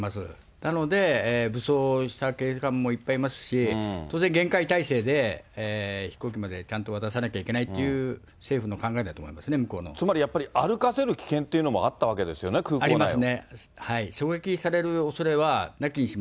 なので、武装した警官もいっぱいいますし、当然、厳戒態勢で、飛行機までちゃんと渡さなきゃいけないという、政府の考えだと思つまりやっぱり、歩かせる危険っていうのもあったわけですよね、空港内を。